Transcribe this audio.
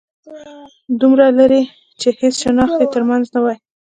دومره لرې چې هيڅ شناخت يې تر منځ نه وای